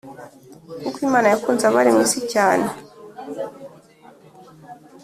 Kuko Imana yakunze abari mu isi cyane,